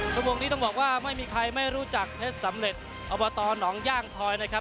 ชั่วโมงนี้ต้องบอกว่าไม่มีใครไม่รู้จักเพชรสำเร็จอบตหนองย่างทอยนะครับ